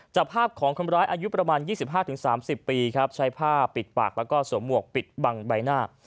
จับภาพของคนร้ายอายุประมาณ๒๕๓๐ปีครับใช้ผ้าปิดปากแล้วก็สวมหวกปิดบังใบหน้า